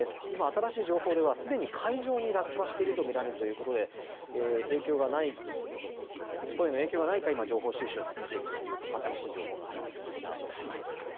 今、新しい情報ではすでに海上に落下していると見られているということで日本への影響がないか今、情報収集を進めているという新しい情報が入ってきました。